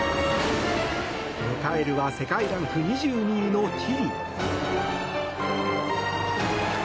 迎えるは世界ランク２２位のチリ。